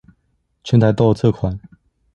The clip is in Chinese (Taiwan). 全台都有這款